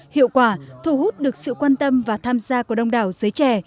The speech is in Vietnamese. hiệu quả thu hút được sự quan tâm và tham gia của đông đảo giới trẻ